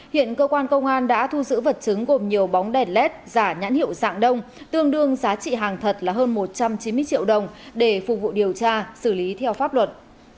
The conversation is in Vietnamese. hiện cơ quan công an đã thu giữ vật chứng gồm nhiều bóng đèn led giả nhãn hiệu dạng đông tương đương giá trị hàng thật là hơn một trăm chín mươi triệu đồng để phục vụ điều tra xử lý theo pháp luật